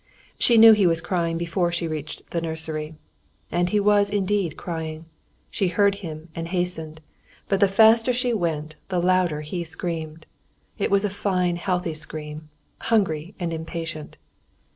She knew he was crying before she reached the nursery. And he was indeed crying. She heard him and hastened. But the faster she went, the louder he screamed. It was a fine healthy scream, hungry and impatient.